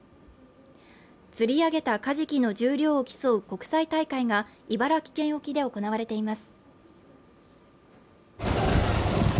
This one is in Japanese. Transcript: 釣り上げたカジキの重量を競う国際大会が茨城県沖で行われています。